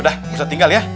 udah ustaz tinggal ya